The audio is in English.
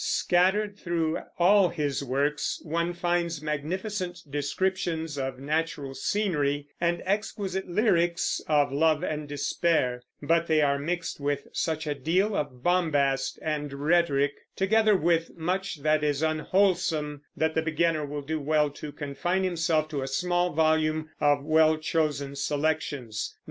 Scattered through all his works one finds magnificent descriptions of natural scenery, and exquisite lyrics of love and despair; but they are mixed with such a deal of bombast and rhetoric, together with much that is unwholesome, that the beginner will do well to confine himself to a small volume of well chosen selections.